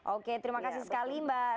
oke terima kasih sekali mbak